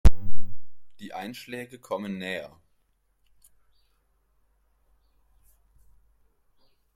Die Einschläge kommen näher.